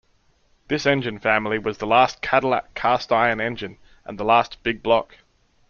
This engine family was the last Cadillac cast-iron engine, and the last 'big-block'.